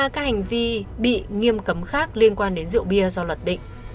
một mươi ba các hành vi bị nghiêm cấm khác liên quan đến rượu bia do luật định